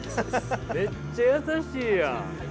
めっちゃ優しいやん。